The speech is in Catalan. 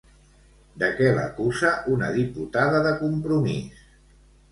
De què l'acusa una diputada de Compromís?